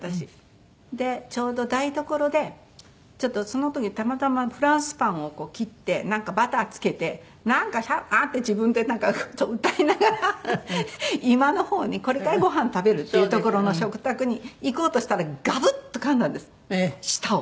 でちょうど台所でその時たまたまフランスパンを切ってバターつけてなんかああって自分で歌いながら居間の方にこれからご飯食べるっていう所の食卓に行こうとしたらガブッとかんだんです舌を。